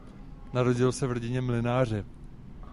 Narodil se v rodině mlynáře.